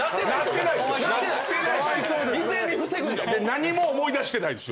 何も思い出してないです。